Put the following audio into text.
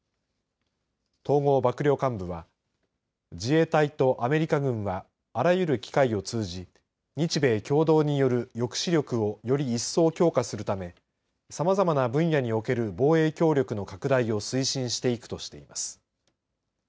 統合幕僚監部は自衛隊とアメリカ軍はあらゆる機会を通じ日米共同による抑止力をより一層強化するためさまざまな分野における防衛協力の拡大を推進していくとしています。